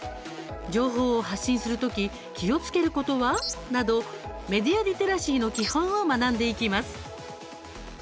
情報を発信するとき気をつけることは？などメディア・リテラシーの基本を学んでいきます。